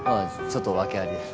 ちょっと訳ありで。